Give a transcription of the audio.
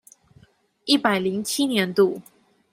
一百零七年度